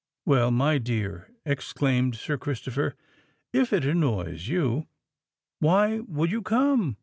"Well, my dear," exclaimed Sir Christopher, "if it annoys you, why would you come?